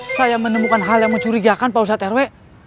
saya menemukan hal yang mencurigakan pak ustad terwe